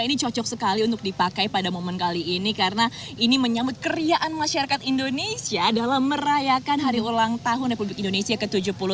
ini cocok sekali untuk dipakai pada momen kali ini karena ini menyambut keriaan masyarakat indonesia dalam merayakan hari ulang tahun republik indonesia ke tujuh puluh dua